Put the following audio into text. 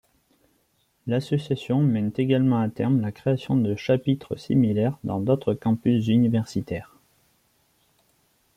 L'association mène également à terme la création de chapitres similaires dans d'autres campus universitaires.